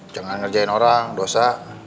jangan ngerjain orang dosa